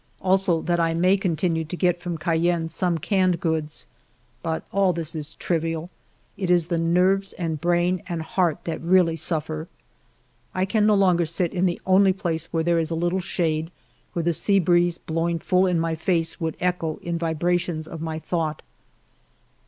Also that I may continue to get from Cayenne some canned goods. But all this is trivial. It is the nerves and brain and heart that really suffer. 154 FIVE YEARS OF MY LIFE I can no longer sit in the only place where there is a little shade, where the sea breeze blowing full in my face would echo in vibrations of my thought.